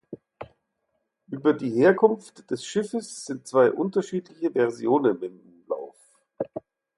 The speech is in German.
Über die Herkunft des Schiffes sind zwei unterschiedliche Versionen im Umlauf.